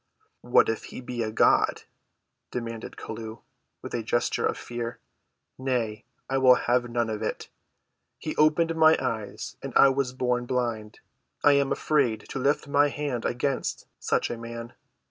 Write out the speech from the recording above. "What if he be a God," demanded Chelluh, with a gesture of fear. "Nay, I will have none of it. He opened mine eyes, and I was born blind. I am afraid to lift my hand against such a man."